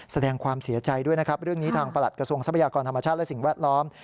แสดงความเสียใจด้วยนะครับเรื่องนี้ทางประหลัดกระทรวงทรัพยากรธรรมชาติและสิ่งแวดล้อม